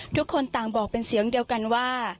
ทุกคนต่างบอกเป็นเสียงเดียวกันว่า